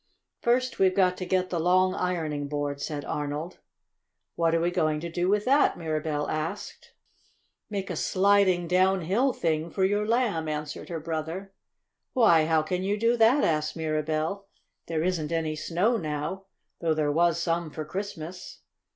"First we've got to get the long ironing board," said Arnold. "What are we going to do with that?" Mirabell asked. "Make a sliding downhill thing for your Lamb," answered her brother. "Why, how can you do that?" asked Mirabell. "There isn't any snow now, though there was some for Christmas.